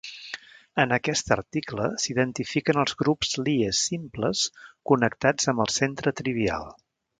En aquest article, s"identifiquen els grups Lie simples connectats amb el centre trivial.